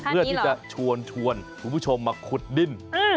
เพื่อที่จะชวนคุณผู้ชมมาขุดดิน